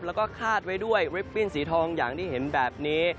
แล้วก็คาดไว้ด้วยริปปิ้นสีทองอย่างที่เห็นแบบนี้